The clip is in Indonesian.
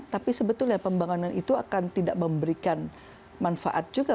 tapi sebetulnya pembangunan itu akan tidak memberikan manfaat juga